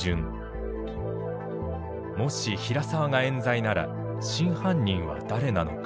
もし平沢が冤罪なら真犯人は誰なのか。